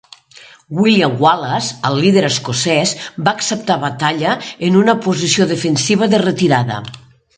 William Wallace, el líder escocès, va acceptar batalla en una posició defensiva de retirada.